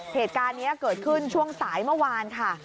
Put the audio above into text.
เหตุการณ์นี้เกิดขึ้นช่วงสายเมื่อวานค่ะ